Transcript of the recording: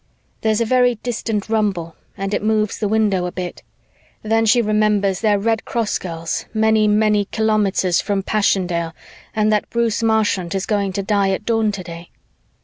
There's a very distant rumble and it moves the window a bit. Then she remembers they're Red Cross girls many, many kilometers from Passchendaele and that Bruce Marchant is going to die at dawn today.